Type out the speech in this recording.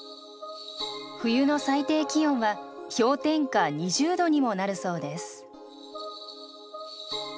冬の最低気温は氷点下２０度にもなるそうです。